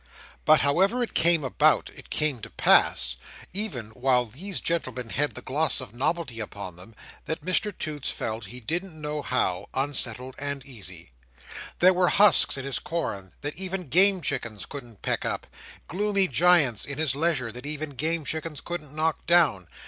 But however it came about, it came to pass, even while these gentlemen had the gloss of novelty upon them, that Mr Toots felt, he didn't know how, unsettled and uneasy. There were husks in his corn, that even Game Chickens couldn't peck up; gloomy giants in his leisure, that even Game Chickens couldn't knock down.